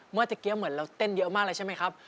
เมื่อกี้เหมือนเราเต้นเยอะมากเลยใช่ไหมครับ